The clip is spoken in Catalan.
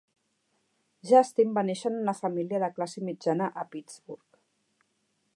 Justin va nàixer en una família de classe mitjana a Pittsburgh.